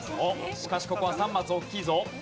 しかしここは３マス大きいぞ。